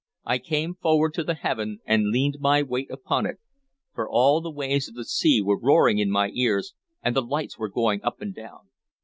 I came forward to the table, and leaned my weight upon it; for all the waves of the sea were roaring in my ears, and the lights were going up and down.